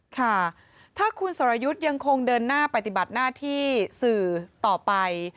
ค่ะถ้าคุณสรยุทธ์ยังคงเดินหน้าปฏิบัติหน้าที่สื่อต่อไป